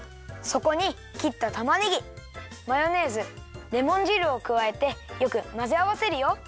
そこにきったたまねぎマヨネーズレモン汁をくわえてよくまぜあわせるよ。